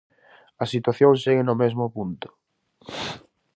A situación segue no mesmo punto.